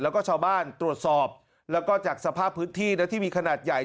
แล้วก็ชาวบ้านตรวจสอบแล้วก็จากสภาพพื้นที่นะที่มีขนาดใหญ่